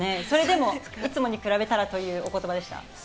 それでもいつもに比べたらというお言葉でしたか。